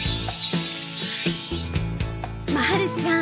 まるちゃん